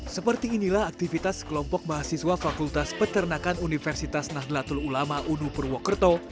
seperti inilah aktivitas kelompok mahasiswa fakultas peternakan universitas nahdlatul ulama unu purwokerto